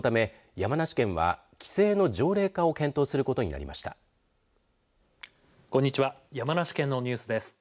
山梨県のニュースです。